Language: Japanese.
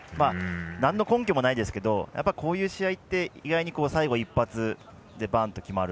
なんの根拠もないですけどこういう試合って、意外に最後一発で決まる。